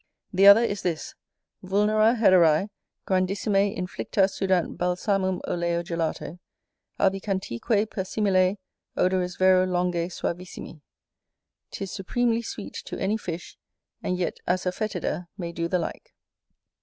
The other is this: "Vulnera hederae grandissimae inflicta sudant balsamum oleo gelato, albicantique persimile, odoris vero longe suavissimi". "'Tis supremely sweet to any fish, and yet assa foetida may do the like."